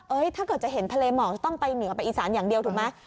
ถ้าเกิดจะเห็นทะเลหมอกจะต้องไปเหนือไปอีสานอย่างเดียวถูกไหม